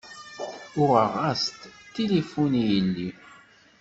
Uɣeɣ-as-d tilifun i yelli.